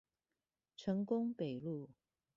成功北路